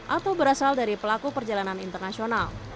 atau berasal dari pelaku perjalanan internasional